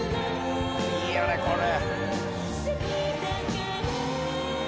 いいよねこれ。